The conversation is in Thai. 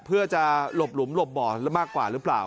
เพื่อจะหลบหลุมหลบบ่อมากกว่าหรือเปล่า